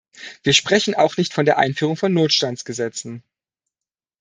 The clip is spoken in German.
Wir sprechen auch nicht von der Einführung von Notstandsgesetzen.